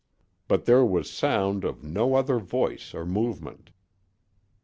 But there was sound of no other voice or movement.